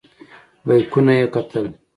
بیکونه یې کتل.